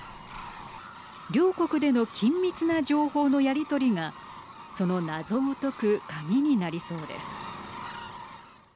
両国での緊密な情報のやり取りがその謎を解く鍵になりそうです。